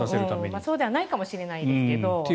そうではないかもしれないですが。